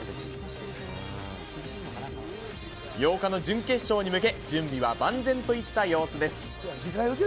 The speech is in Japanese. ８日の準決勝に向け、準備は万全といった様子です。